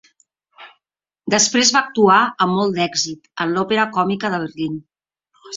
Després va actuar, amb molt d'èxit, en l'Òpera Còmica de Berlín.